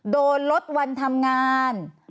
โดนลดวันทำงาน